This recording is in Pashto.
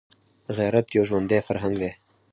غیرت یو ژوندی فرهنګ دی